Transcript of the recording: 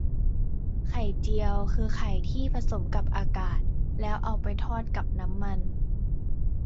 ไข่เจียว คือไข่ที่ตีผสมกับอากาศ แล้วเอาไปทอดกับน้ำมัน